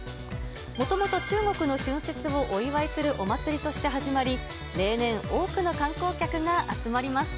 もともと中国の春節をお祝いするお祭りとして始まり、例年、多くの観光客が集まります。